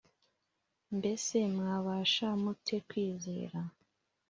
Mbese mwabasha mute kwizera